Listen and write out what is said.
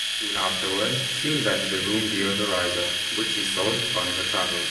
Soon afterward, she invented a room deodorizer, which she sold to fund her travels.